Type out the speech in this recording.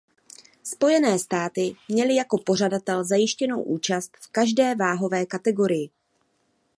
Spojené státy měly jako pořadatel zajištěnou účast v každé váhové kategorii.